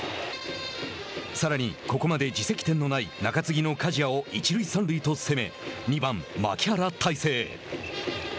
さらに、ここまで自責点のない中継ぎの加治屋を三塁一塁と攻め、２番、牧原大成。